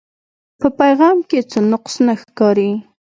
پۀ پېغام کښې څۀ نقص نۀ ښکاري